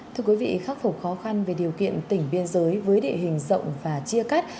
thưa quý vị khắc phục khó khăn về điều kiện tỉnh biên giới với địa hình rộng và chia cắt